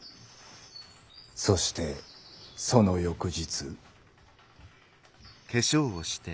そしてその翌日。